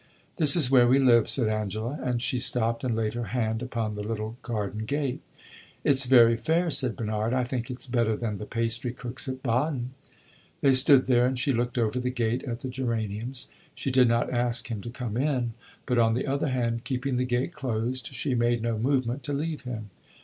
"This is where we live," said Angela; and she stopped and laid her hand upon the little garden gate. "It 's very fair," said Bernard. "I think it 's better than the pastry cook's at Baden." They stood there, and she looked over the gate at the geraniums. She did not ask him to come in; but, on the other hand, keeping the gate closed, she made no movement to leave him.